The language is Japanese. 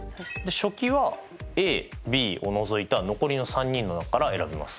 書記はＡＢを除いた残りの３人の中から選びます。